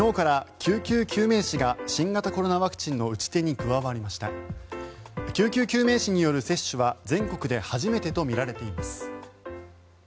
救急救命士による接種は全国で初めてとみられています。